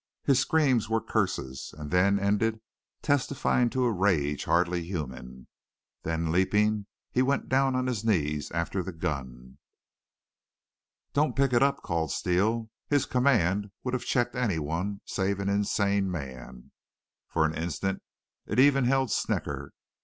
His screams were curses, and then ended, testifying to a rage hardly human. Then, leaping, he went down on his knees after the gun. "Don't pick it up," called Steele; his command would have checked anyone save an insane man. For an instant it even held Snecker.